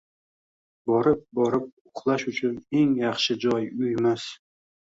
Borib-borib uxlash uchun eng yaxshi joy uymas